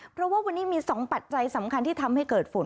เพราะว่าวันนี้มี๒ปัจจัยสำคัญที่ทำให้เกิดฝุ่น